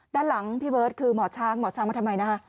ด้านหลังพี่เบิร์ตคือหมอช้างหมอช้างมาทำไมนะคะ